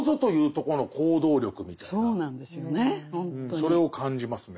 それを感じますね。